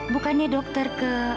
bukannya dokter ke